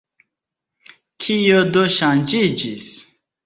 Kio do ŝanĝiĝis?